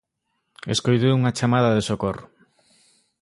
Escoitou unha chamada de socorro.